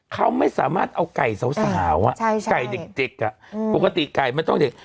เขาไม่สามารถเอาไก่สาวไก่เด็กปกติไก่ไม่ต้องเด็ก